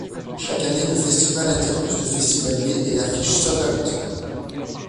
Chaque année le festival attire plus de festivaliers et affiche sold out.